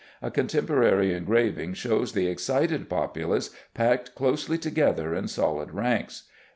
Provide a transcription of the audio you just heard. A contemporary engraving shows the excited populace packed closely together in solid ranks.